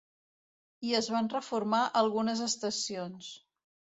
I es van reformar algunes estacions.